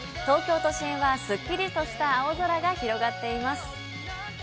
東京都心はすっきりとした青空が広がっています。